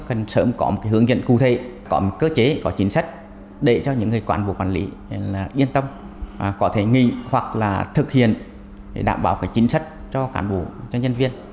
cần sớm có hướng dẫn cụ thể có cơ chế có chính sách để cho những người quản vụ quản lý yên tâm có thể nghị hoặc thực hiện để đảm bảo chính sách cho quản vụ cho nhân viên